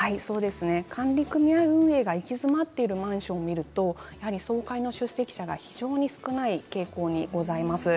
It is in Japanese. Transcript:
管理組合の運営に行き詰まっているマンション見ると総会の出席者が少ない傾向にございます。